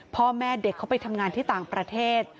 พ่อแม่เด็กเขาไปทำงานที่ต่างประเทศ